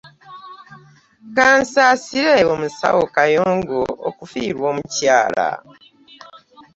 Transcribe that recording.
Ka nsaasire ku musawo Kayongo okufiirwa omukyala.